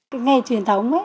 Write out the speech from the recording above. cái nghề truyền thống